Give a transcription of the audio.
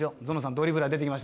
ドリブラー出てきましたね。